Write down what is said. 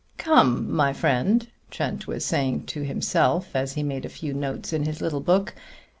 "Come, my friend," Trent was saying to himself, as he made a few notes in his little book.